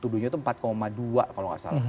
tuduhnya itu empat dua kalau nggak salah